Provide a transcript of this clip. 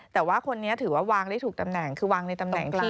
แต่ว่าคนนี้ถือว่าวางได้ถูกตำแหน่งคือวางในตำแหน่งกลาง